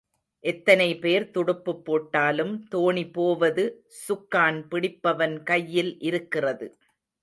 எத்தனை பேர் துடுப்புப் போட்டாலும் தோணி போவது சுக்கான் பிடிப்பவன் கையில் இருக்கிறது.